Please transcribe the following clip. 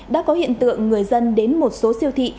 đã có hiện tượng người dân đến một số siêu thị